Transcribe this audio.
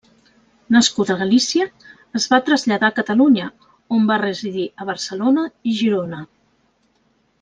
Nascuda a Galícia, es va traslladar a Catalunya, on va residir a Barcelona i Girona.